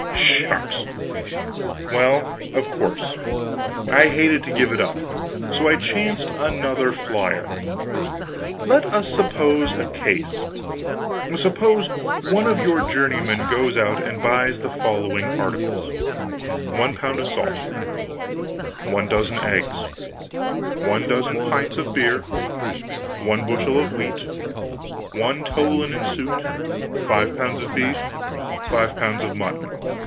Shucks! Well, of course, I hated to give it up. So I chanced another flyer: "Let us suppose a case. Suppose one of your journeymen goes out and buys the following articles: "1 pound of salt; 1 dozen eggs; 1 dozen pints of beer; 1 bushel of wheat; 1 tow linen suit; 5 pounds of beef; 5 pounds of mutton.